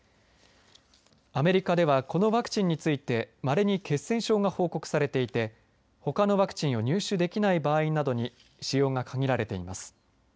アメリカではこのワクチンについてまれに血栓症が報告されていてほかのワクチンを入手できない場合などに使用が限られています。